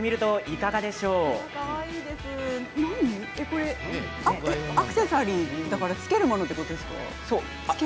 これアクセサリーだからつけるものということですか。